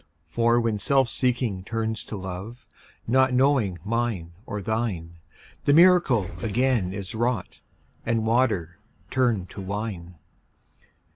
For when self seeking turns to love, Not knowing mine nor thine, The miracle again is wrought, And water turned to wine.